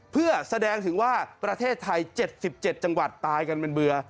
เพื่อแสดงถึงว่าประเทศไทย๗๗จังหวัดตายกันเป็นเบื่อ